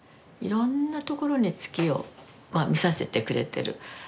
いろんなところに月を見させてくれてる。